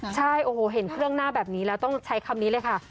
ใช่โอ้โหเห็นเครื่องหน้าแบบนี้แล้วต้องใช้คำนี้เลยค่ะ